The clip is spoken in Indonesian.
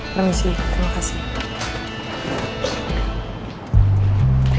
permisi terima kasih